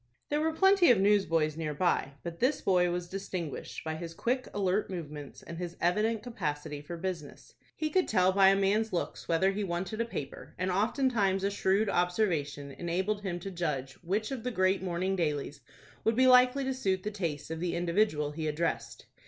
There were plenty of newsboys near by, but this boy was distinguished by his quick, alert movements, and his evident capacity for business. He could tell by a man's looks whether he wanted a paper, and oftentimes a shrewd observation enabled him to judge which of the great morning dailies would be likely to suit the taste of the individual he addressed.